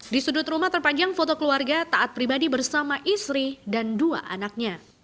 di sudut rumah terpanjang foto keluarga taat pribadi bersama istri dan dua anaknya